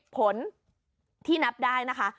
ผลที่นับได้นะคะ